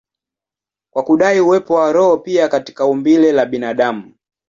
kwa kudai uwepo wa roho pia katika umbile la binadamu.